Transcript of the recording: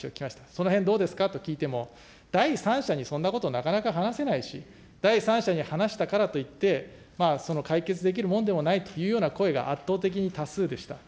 そのへんどうですかと聞いても、第三者にそんなことなかなか話せないし、第三者に話したからといって、解決できるもんでもないというような声が圧倒的に多数でした。